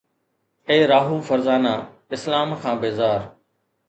اي راهو فرزانه، اسلام کان بيزار